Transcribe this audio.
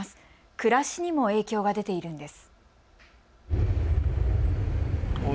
暮らしにも影響が出ているんです。